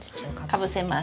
かぶせます。